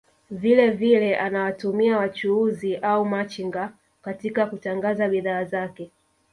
Vile vile anawatumia wachuuzi au machinga katika kutangaza bidhaa zake